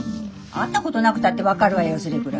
会ったことなくたって分かるわよそれぐらい。